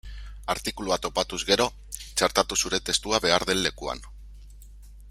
Artikulua topatuz gero, txertatu zure testua behar den lekuan.